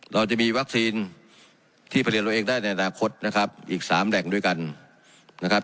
เราจะมีวัคซีนที่ผลิตเราเองได้ในอนาคตนะครับอีกสามแหล่งด้วยกันนะครับ